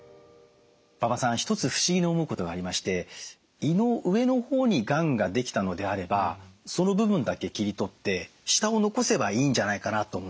馬場さん一つ不思議に思うことがありまして胃の上の方にがんができたのであればその部分だけ切りとって下を残せばいいんじゃないかなと思うんです。